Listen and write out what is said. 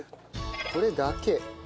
これだけ。